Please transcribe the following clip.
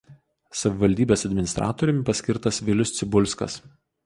Savivaldybės administratoriumi paskirtas Vilius Cibulskas.